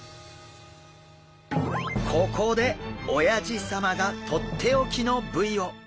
ここでおやじ様がとっておきの部位を！